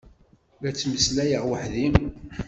La ttmeslayeɣ weḥd-i.